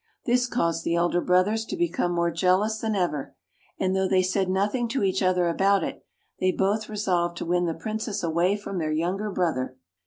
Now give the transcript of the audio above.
This caused the elder brothers to become more jealous than ever, and though they said nothing to each other about it, they both resolved to win the Princess away from their younger brother.